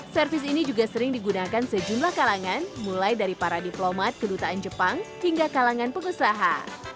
servis ini juga sering digunakan sejumlah kalangan mulai dari para diplomat kedutaan jepang hingga kalangan pengusaha